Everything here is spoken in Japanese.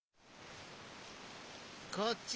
こっち！